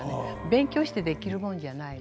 勉強してできるもんじゃない。